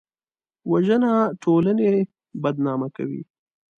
وژنه د ټولنې بدنامه کوي